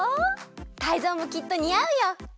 タイゾウもきっとにあうよ。